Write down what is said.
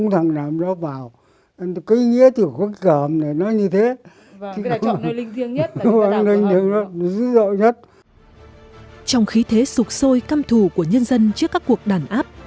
trong khi thế sụt sôi cam thù của nhân dân trước các cuộc đàn áp